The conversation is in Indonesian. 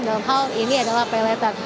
dalam hal ini adalah pay letter